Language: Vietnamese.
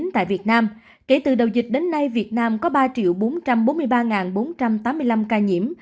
tại việt nam kể từ đầu dịch đến nay việt nam có ba bốn trăm bốn mươi ba bốn trăm tám mươi năm ca nhiễm